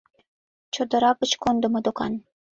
Чодыра гыч кондымо докан.